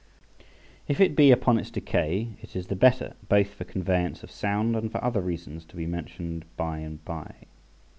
If it be upon its decay, it is the better, both for conveyance of sound and for other reasons to be mentioned by and by.